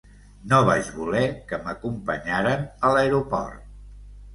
No vaig voler que m'acompanyaren a l'aeroport.